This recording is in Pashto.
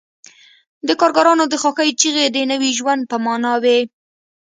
د کارګرانو د خوښۍ چیغې د نوي ژوند په مانا وې